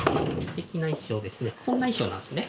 こんな衣装なんですね。